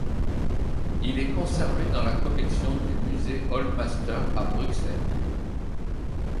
Il est conservé dans la collection du Musée Old Masters à Bruxelles.